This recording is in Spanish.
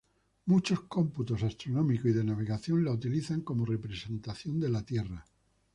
Muchos cómputos astronómicos y de navegación la utilizan como representación de la Tierra.